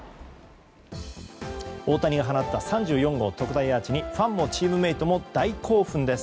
大谷が放った３４号特大アーチにファンもチームメートも大興奮です。